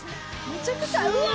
めちゃくちゃうわ！